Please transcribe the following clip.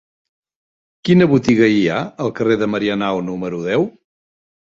Quina botiga hi ha al carrer de Marianao número deu?